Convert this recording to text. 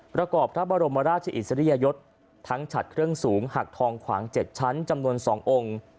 ประกอบพระบรมราชอิสริยยศทั้งฉัดเครื่องสูงหักทองขวาง๗ชั้นจำนวน๒องค์